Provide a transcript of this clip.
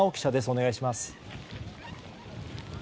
お願いします。